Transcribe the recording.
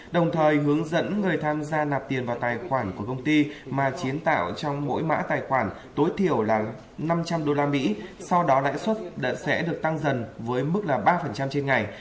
đồng thời hướng dẫn người tham gia nạp tiền vào tài khoản của công ty mà chiến tạo trong mỗi mã tài khoản tối thiểu là năm trăm linh usd sau đó lãi suất sẽ được tăng dần với mức là ba trên ngày